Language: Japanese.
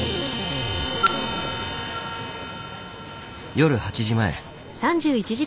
夜８時前。